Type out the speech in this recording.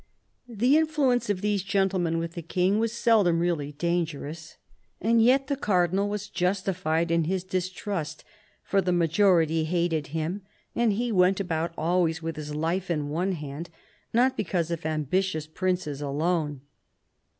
263 264 CARDINAL DE RICHELIEU The influence of these gentlemen with the King was seldom really dangerous, and yet the Cardinal was justified in his distrust, for the majority hated him, and he went about always with his life in his hand, not because of ambitious princes alone.